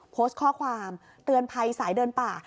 โพสต์ข้อความเตือนภัยสายเดินป่า